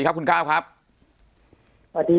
ปากกับภาคภูมิ